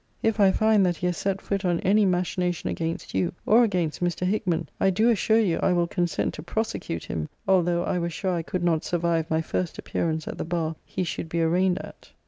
If I find that he has set foot on any machination against you, or against Mr. Hickman, I do assure you I will consent to prosecute him, although I were sure I could not survive my first appearance at the bar he should be arraigned at.